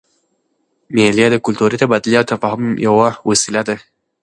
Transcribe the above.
مېلې د کلتوري تبادلې او تفاهم یوه وسیله ده.